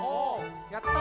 やった！